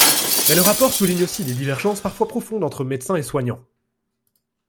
Mais le rapport souligne aussi des divergences parfois profondes entre médecins et soignants.